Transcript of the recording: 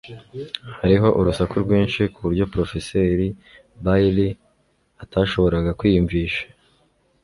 Hariho urusaku rwinshi kuburyo Porofeseri Bayley atashoboraga kwiyumvisha